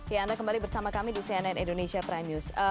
ya anda kembali bersama kami di cnn indonesia prime news